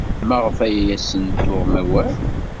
Maɣef ay asen-tuɣem awal?